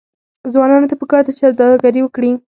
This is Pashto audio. ځوانانو ته پکار ده چې، سوداګري زیاته کړي.